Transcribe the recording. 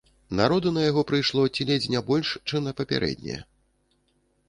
Народу на яго прыйшло ці ледзь не больш, чым на папярэдняе.